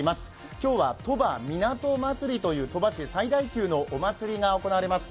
今日は鳥羽港祭りという鳥羽市最大級のお祭りが行われます。